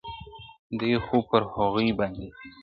دي خو پر هغوی باندي `